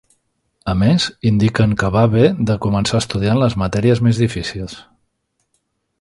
A més, indiquen que va bé de començar estudiant les matèries més difícils.